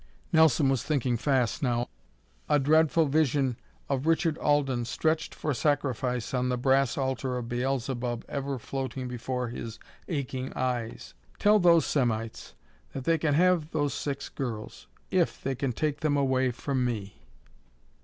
Nelson was thinking fast now, a dreadful vision of Richard Alden stretched for sacrifice on the brass altar of Beelzebub ever floating before his aching eyes. "Tell those Semites that they can have those six girls if they can take them away from me."